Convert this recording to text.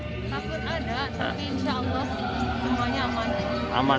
takut ada tapi insya allah semuanya aman